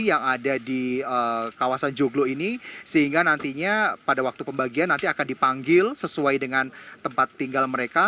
yang ada di kawasan joglo ini sehingga nantinya pada waktu pembagian nanti akan dipanggil sesuai dengan tempat tinggal mereka